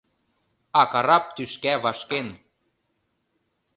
А карап тӱшка вашкен